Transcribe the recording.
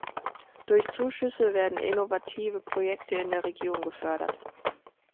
Durch Zuschüsse werden innovative Projekte in der Region gefördert.